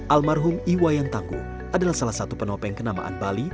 almarhum iwayan tangguh adalah salah satu penopeng kenamaan bali